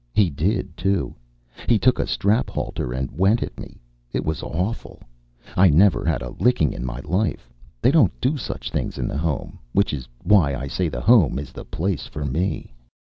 He did, too. He took a strap halter and went at me. It was awful. I'd never had a licking in my life. They don't do such things in the Home, which is why I say the Home is the place for me.